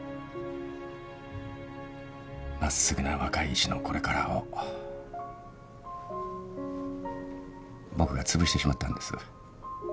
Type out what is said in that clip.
真っすぐな若い医師のこれからを僕がつぶしてしまったんです。